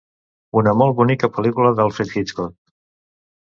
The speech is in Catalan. Un molt bonica pel·lícula d'Alfred Hitchcock.